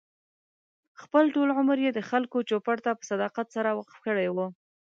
خپل ټول عمر یې د خلکو چوپـړ ته په صداقت سره وقف کړی و.